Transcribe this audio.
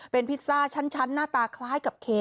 เป็นพิซซ่าชั้นหน้าตาคล้ายกับเค